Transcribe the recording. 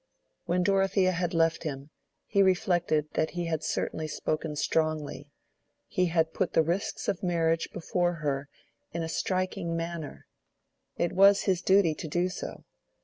When Dorothea had left him, he reflected that he had certainly spoken strongly: he had put the risks of marriage before her in a striking manner. It was his duty to do so.